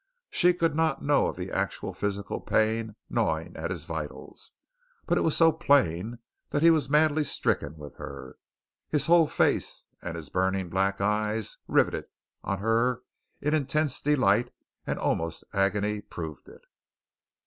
She could not know of the actual physical pain gnawing at his vitals, but it was so plain that he was madly stricken with her. His whole face and his burning black eyes riveted on her in intense delight and almost agony proved it.